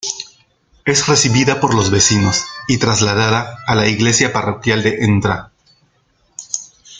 Es recibida por los vecinos y trasladada a la iglesia parroquial de Ntra.